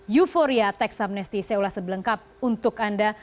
euphoria teks amnesti seolah sebelengkap untuk anda